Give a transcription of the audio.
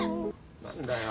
何だよ。